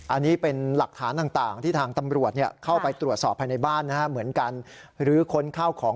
อันนี้เป็นหลักฐานต่างที่ทางตำรวจเข้าไปตรวจสอบภายในบ้านเหมือนกัน